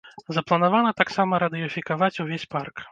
Запланавана таксама радыёфікаваць увесь парк.